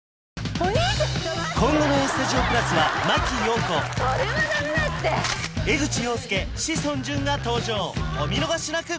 今後の「ＡＳＴＵＤＩＯ＋」は真木よう子江口洋介志尊淳が登場お見逃しなく！